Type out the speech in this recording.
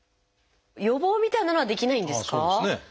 予防みたいなのはできないんですか？